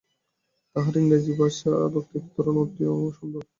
তাঁহার ইংরেজী ভাষা এবং বক্তৃতার ধরন অতি সুন্দর।